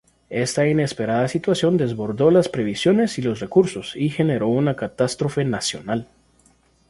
Esta inesperada situación desbordó las previsiones y los recursos, y generó una catástrofe nacional.